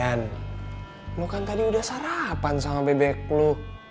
yan lo kan tadi udah sarapan sama bebek lu